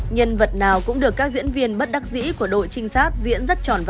nhân vật nào cũng được các diễn viên bất đắc dĩ của đội trinh sát diễn rất tròn vã